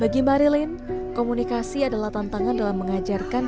bagi marilin komunikasi adalah tantangan dalam mengajarkan